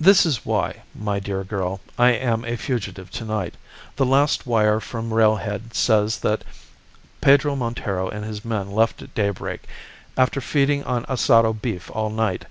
"This is why, my dear girl, I am a fugitive to night. The last wire from railhead says that Pedro Montero and his men left at daybreak, after feeding on asado beef all night.